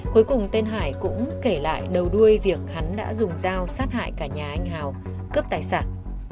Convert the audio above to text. cuối cùng tên hải cũng kể lại đầu đuôi việc hắn đã dùng dao sát hại cả nhà anh hào cướp tài sản